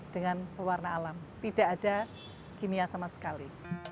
dengan pewarna alam tidak ada kimia sama sekali